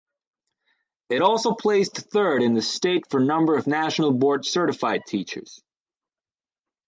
It also placed third in the state for number of National Board Certified teachers.